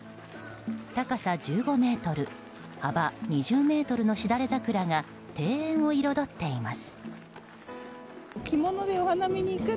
高さ１５ｍ幅２０ｍのシダレザクラが庭園を彩っています。